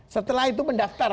setelah itu mendaftar